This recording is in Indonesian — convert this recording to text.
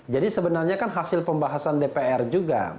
jadi sebenarnya kan hasil pembahasan dpr juga